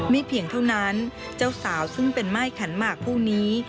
เพียงเท่านั้นเจ้าสาวซึ่งเป็นม่ายขันหมากผู้นี้